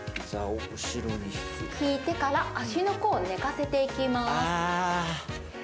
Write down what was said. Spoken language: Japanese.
引いてから足の甲を寝かせていきます。